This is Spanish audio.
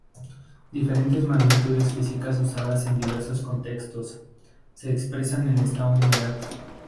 Diferentes magnitudes físicas, usadas en diversos contextos, se expresan en esta unidad.